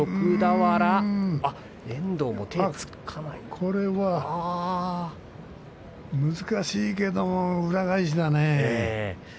これは難しいけど裏返しだね。